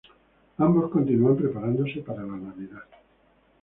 Ambos continúan preparándose para la Navidad.